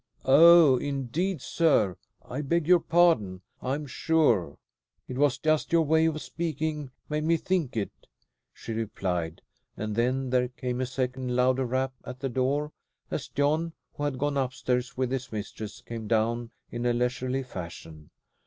"Oh, indeed, sir! I beg your pardon, I am sure. It was just your way of speaking made me think it," she replied; and then there came a second louder rap at the door as John, who had gone upstairs with his mistress, came down in a leisurely fashion.